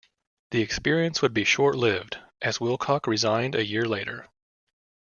The experience would be short-lived, as Wilcock resigned a year later.